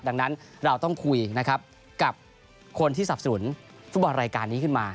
ดังนั้นเราต้องคุยนะครับกับคนที่สับสนุนฟุตบอลรายการนี้ขึ้นมา